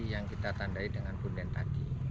yang kita tandai dengan punden tadi